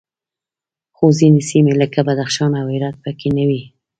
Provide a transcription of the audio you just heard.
خو ځینې سیمې لکه بدخشان او هرات پکې نه وې